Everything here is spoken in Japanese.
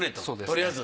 そうですね。